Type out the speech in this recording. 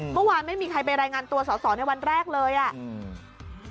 เมื่อวานไม่มีใครไปรายงานตัวสอสอในวันแรกเลยอ่ะอืม